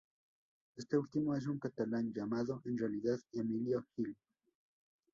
Este último es un catalán llamado en realidad Emilio Gil.